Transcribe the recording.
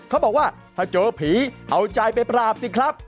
เขาบอกว่าถ้าเจอผีเอาใจไปปราบสิครับ